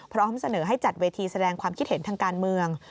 พร้อมเสนอให้จัดเวทีแสดงความคิดเห็นทางการเมือง